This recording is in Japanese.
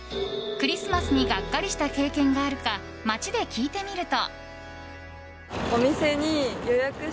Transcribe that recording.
クリスマスにがっかりした経験があるか街で聞いてみると。